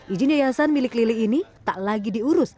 izin yayasan milik lili ini tak lagi diurus